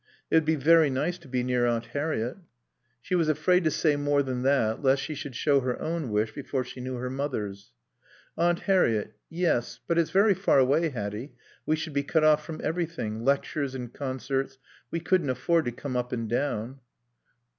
"It would be very nice to be near Aunt Harriett." She was afraid to say more than that lest she should show her own wish before she knew her mother's. "Aunt Harriett. Yes.... But it's very far away, Hatty. We should be cut off from everything. Lectures and concerts. We couldn't afford to come up and down."